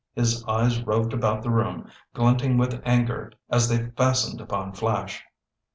His eyes roved about the room, glinting with anger as they fastened upon Flash.